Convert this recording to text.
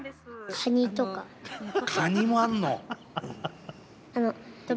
カニもあんの？